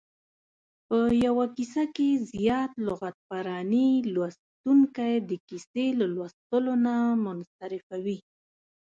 په یوه کیسه کې زیاته لغت پراني لوستونکی د کیسې له لوستلو نه منصرفوي.